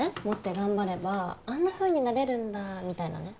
持って頑張ればあんなふうになれるんだみたいな